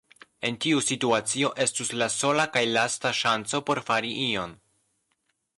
En tiu situacio, estus la sola kaj lasta ŝanco por fari ion...